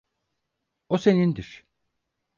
O senindir.